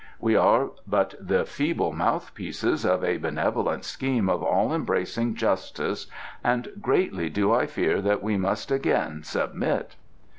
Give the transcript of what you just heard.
We are but the feeble mouthpieces of a benevolent scheme of all embracing justice and greatly do I fear that we must again submit."